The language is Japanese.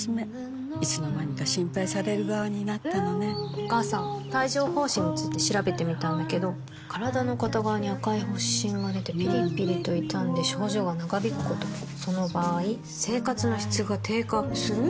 お母さん帯状疱疹について調べてみたんだけど身体の片側に赤い発疹がでてピリピリと痛んで症状が長引くこともその場合生活の質が低下する？